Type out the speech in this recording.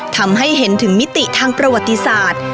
ทำให้เห็นถึงมิติทางประวัติศาสตร์